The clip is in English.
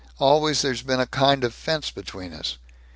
Always there's been a kind of fence between us.